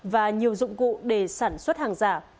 và nhiều dụng cụ để sản xuất hàng giả